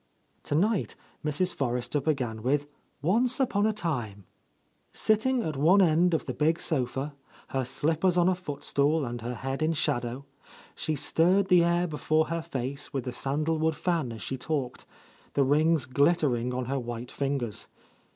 Tonight Mrs, Forrester began with "Once upon a time," Sitting at one end of the big sofa, her slippers on a foot stool and her head in shadow, she stirred the air before her face with the san dalwood, fan as she talked, the rings glittering on her white fingers.